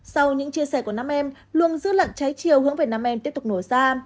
sau những chia sẻ của nam em luồng dư lận cháy chiều hướng về nam em tiếp tục nổ ra